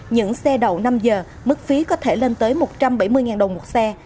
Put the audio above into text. những xe đậu năm giờ mức phí có thể lên tới một trăm bảy mươi đồng một xe